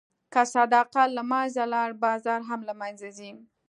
که صداقت له منځه لاړ، بازار هم له منځه ځي.